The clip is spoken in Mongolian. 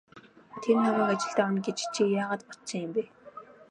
Тэр намайг ажилд авна гэж чи яагаад бодсон юм бэ?